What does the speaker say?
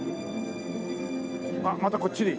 あっまたこっちに。